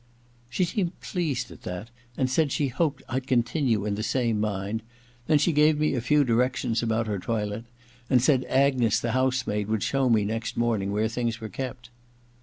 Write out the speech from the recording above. She seemed pleased at that, and said she hoped I'd continue in the same mind ; then she gave me a few directions about her toilet, and said Agnes the house maid would show me next morning where things were kept.